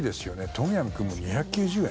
トムヤムクンも２９０円。